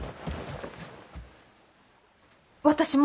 私も。